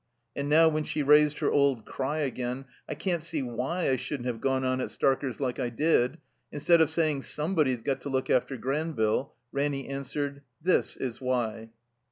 And now when she raised her old cry again, "I can't see why I shouldn't have gone on at Starker 's like I did," instead of saying "Somebody's got to look after Granville" Raimy answered, *'Thts is why."